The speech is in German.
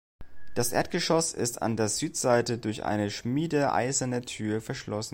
Das Erdgeschoss ist an der Südseite durch eine schmiedeeiserne Tür verschlossen.